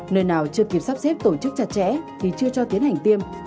nơi nào chưa kịp sắp xếp tổ chức chặt chẽ thì chưa cho tiến hành tiêm